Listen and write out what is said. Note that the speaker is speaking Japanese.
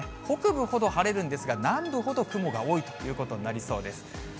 北部ほど晴れるんですが、南部ほど雲が多いということになりそうです。